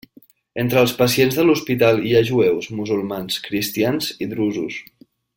Entre els pacients de l'hospital hi ha jueus, musulmans, cristians i drusos.